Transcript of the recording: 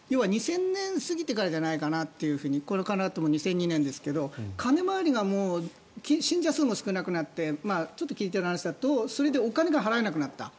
２０００年過ぎてからじゃないかなとこれも２００２年ですが金回りが信者数も少なくなってちょっと聞いた話だとそれでお金が払えなくなった。